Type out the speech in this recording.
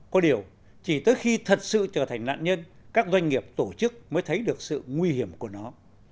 có điều chỉ tới khi thật sự trở thành nạn nhân các doanh nghiệp tổ chức mới thấy được sự nguy hiểm của nó